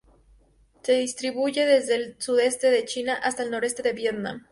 Se distribuye desde el sudoeste de China hasta el noreste de Vietnam.